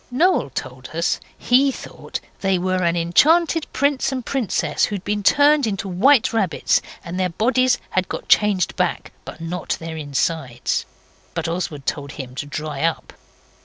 Noel told us he thought they were an enchanted prince and princess who'd been turned into white rabbits, and their bodies had got changed back but not their insides. But Oswald told him to dry up.